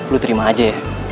lo terima aja ya